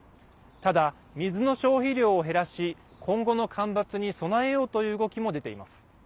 ただ、水の消費量を減らし今後の干ばつに備えようという動きも出ています。